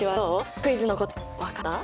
クイズの答え分かった？